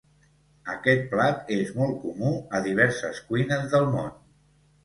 Aquest plat és molt comú a diverses cuines del món.